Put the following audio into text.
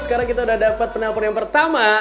sekarang kita udah dapat penelpon yang pertama